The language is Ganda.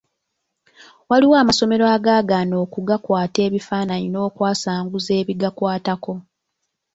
Waliwo amasomero agaagaana okugakwata ebifaananyi n’okwasanguza ebigakwatako.